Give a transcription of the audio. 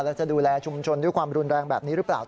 และจะดูแลชุมชนด้วยความรุนแรงแบบนี้หรือเปล่า